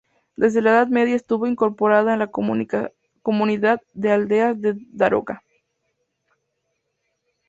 Desde la Edad Media estuvo incorporada a la Comunidad de Aldeas de Daroca.